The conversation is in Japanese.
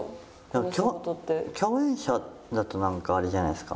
共演者だとなんかあれじゃないですか？